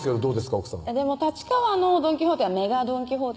奥さんでも立川のドン・キホーテはＭＥＧＡドン・キホーテ